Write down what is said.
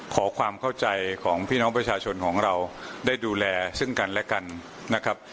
ขอความเข้าใจของพี่น้องประชาชนของเราได้ดูแลซึ่งกันและกันนะครับ